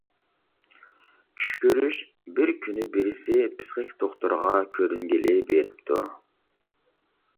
چۈش كۆرۈش بىركۈنى بىرسى پىسخىك دوختۇرىغا كۆرۈنگىلى بېرىپتۇ.